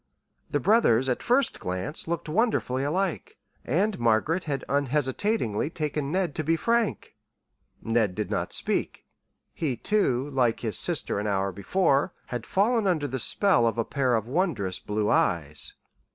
The brothers, at first glance, looked wonderfully alike, and Margaret had unhesitatingly taken Ned to be Frank. Ned did not speak. He, too, like his sister an hour before, had fallen under the spell of a pair of wondrous blue eyes.